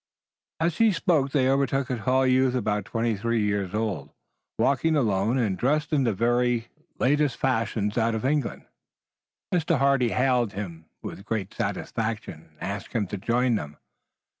As he spoke they overtook a tall youth about twenty three years old, walking alone, and dressed in the very latest fashion out of England. Mr. Hardy hailed him with great satisfaction and asked him to join them.